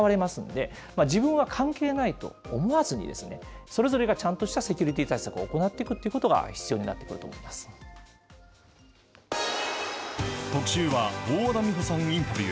それを狙われますので、自分は関係ないと思わずに、それぞれが、ちゃんとしたセキュリティー対策を行っていくということが必要に特集は、大和田美帆さんインタビュー。